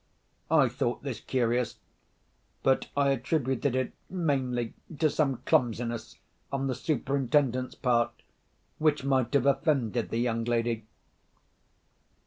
I thought this curious—but I attributed it mainly to some clumsiness on the Superintendent's part which might have offended the young lady.